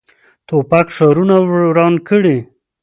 توپک ښارونه وران کړي.